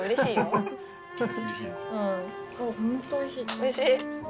おいしい？